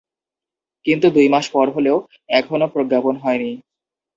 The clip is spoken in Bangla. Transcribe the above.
কিন্তু দুই মাস পার হলেও এখনো প্রজ্ঞাপন হয়নি।